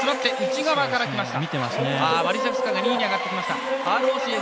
内側から来ました。